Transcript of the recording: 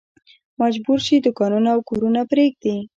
مجبور شي دوکانونه او کورونه پرېږدي.